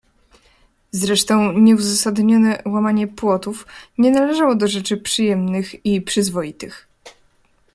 "Zresztą nieuzasadnione łamanie płotów nie należało do rzeczy przyjemnych i przyzwoitych."